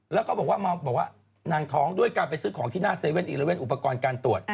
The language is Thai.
แล้วก็บอกว่านางท้องด้วยการไปซื้อของที่หน้า๗๑๑อุปกรณ์การตรวจ